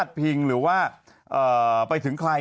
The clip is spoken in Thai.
จังหรือเปล่าจังหรือเปล่า